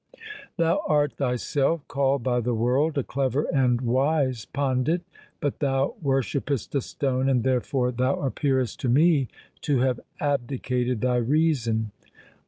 Thou art thyself called by the world a clever and wise pandit, but thou worshippest a stone and therefore thou appearest to me to have abdicated thy reason.